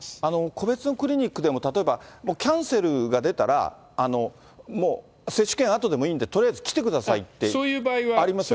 個別のクリニックでも、例えば、キャンセルが出たら、もう、接種券あとでもいいんで、とりあえず来てくださいってありますよ